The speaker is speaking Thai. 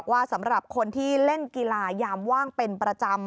สำหรับคนที่เล่นกีฬายามว่างเป็นประจำ